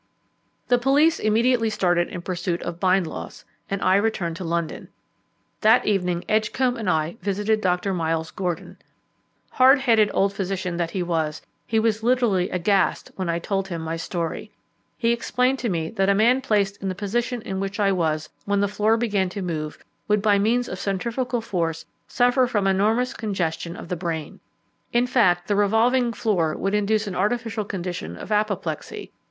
The police immediately started in pursuit of Bindloss, and I returned to London. That evening Edgcombe and I visited Dr. Miles Gordon. Hard headed old physician that he was, he was literally aghast when I told him my story. He explained to me that a man placed in the position in which I was when the floor began to move would by means of centrifugal force suffer from enormous congestion of the brain. In fact, the revolving floor would induce an artificial condition of apoplexy.